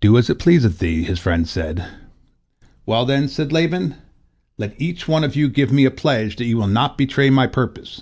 "Do as it pleaseth thee," his friends said. "Well, then," said Laban, "let each one of you give me a pledge that ye will not betray my purpose."